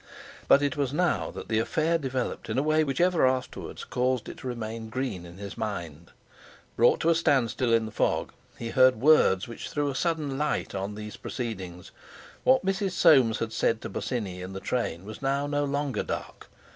But it was now that the affair developed in a way which ever afterwards caused it to remain green in his mind. Brought to a stand still in the fog, he heard words which threw a sudden light on these proceedings. What Mrs. Soames had said to Bosinney in the train was now no longer dark.